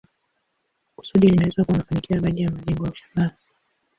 Kusudi linaweza kuwa mafanikio ya baadhi ya malengo au shabaha.